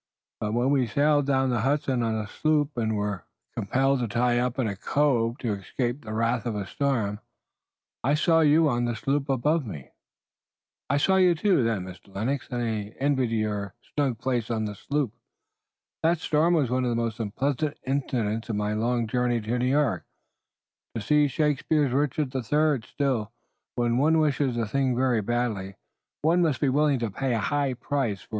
But when we sailed down the Hudson on a sloop, and were compelled to tie up in a cove to escape the wrath of a storm, I saw you on the slope above me." "I saw you, too, then, Mr. Lennox, and I envied you your snug place on the sloop. That storm was one of the most unpleasant incidents in my long journey to New York to see Shakespeare's 'Richard III.' Still, when one wishes a thing very badly one must be willing to pay a high price for it.